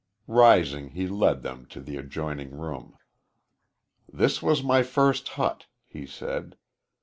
Rising, he led them to the adjoining room. "This was my first hut," he said.